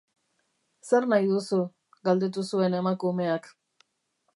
Zer nahi duzu?, galdetu zuen emakumeak.